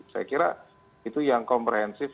saya kira itu yang komprehensif